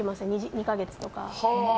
２か月とか。